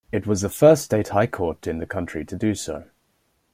It was the first state high court in the country to do so.